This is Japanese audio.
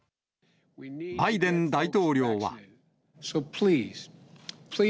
バイデン大統領は。